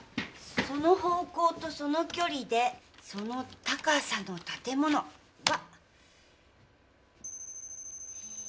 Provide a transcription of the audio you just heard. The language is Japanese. その方向とその距離でその高さの建物は。